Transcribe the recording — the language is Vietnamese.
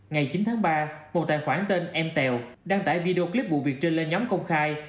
ngày chín tháng ba một tài khoản tên mèo đăng tải video clip vụ việc trên lên nhóm công khai